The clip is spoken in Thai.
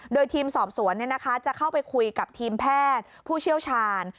โดยทีมสอบสวนจะเข้าไปคุยกับทีมแพทย์ผู้เชี่ยวชาญ